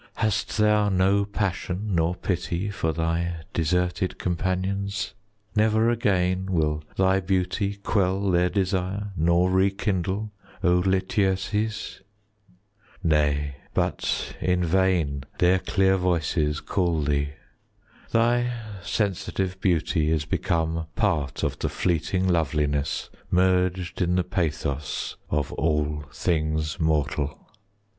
40 Hast thou no passion nor pity For thy deserted companions? Never again will thy beauty Quell their desire nor rekindle, O Lityerses? 45 Nay, but in vain their clear voices Call thee. Thy sensitive beauty Is become part of the fleeting Loveliness, merged in the pathos Of all things mortal.